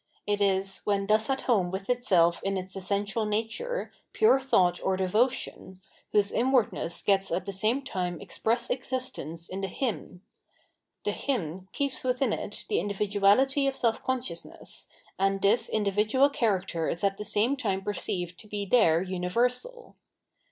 It is, when thus at home with VOL, u.— X 722 Phenomenology of Mind itself in its essential nature, pure thought or devotion, whose inwardness gets at the same time express ex istence in the Hymn. The hymn keeps witlm it the iadividuality of self consciousness, and this in dividual character is at the same tune perceived to be there universal.